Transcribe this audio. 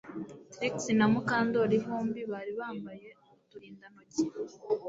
Trix na Mukandoli bombi bari bambaye uturindantoki